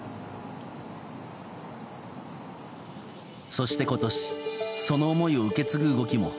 そして今年その思いを受け継ぐ動きも。